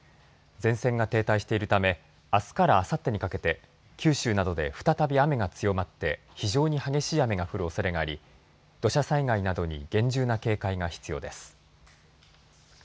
前線が停滞しているためあすからあさってにかけて九州などで再び雨が強まって非常に激しい雨が降るおそれがあり土砂災害などに厳重な警戒が必要です。